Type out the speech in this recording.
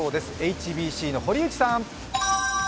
ＨＢＣの堀内さん。